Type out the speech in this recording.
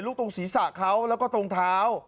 ตรงศีรษะเขาแล้วก็ตรงเท้า